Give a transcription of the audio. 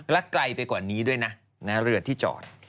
และไกลไปกว่านี้ด้วยนะเรือที่จอด